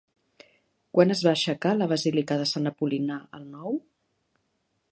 Quan es va aixecar la basílica de Sant Apol·linar el Nou?